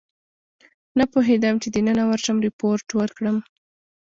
نه پوهېدم چې دننه ورشم ریپورټ ورکړم.